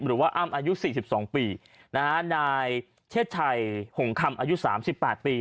หรือว่าอ้ามอายุสี่สิบสองปีนะฮะนายเชษฐ์ชัยหงคำอายุสามสิบปาทปี